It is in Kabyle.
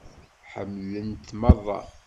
Ḥemmlen-t merra.